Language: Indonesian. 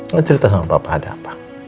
ngecerita sama papa ada apa